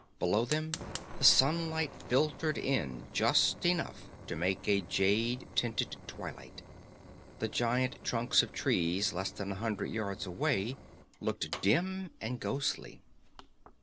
Below them the sunlight filtered in just enough to make a jade tinted twilight. The giant trunks of trees less than a hundred yards away looked dim and ghostly.